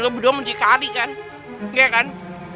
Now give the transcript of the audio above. kamu berdua mencari kan